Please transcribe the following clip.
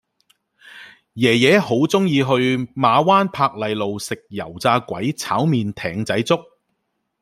爺爺好鍾意去馬灣珀麗路食油炸鬼炒麵艇仔粥